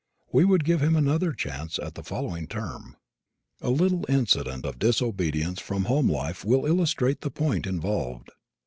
We would give him another chance at the following term. A little incident of disobedience from home life will illustrate the point involved.